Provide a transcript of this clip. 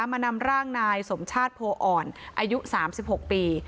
นำร่างนายสมชาติโพออ่อนอายุ๓๖ปี